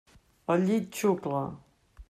El llit xucla.